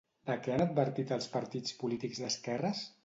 De què han advertit als partits polítics d'esquerres?